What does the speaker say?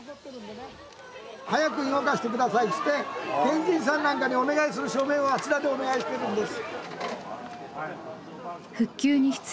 「早く動かして下さい」つって県知事さんなんかにお願いする署名をあちらでお願いしてるんです。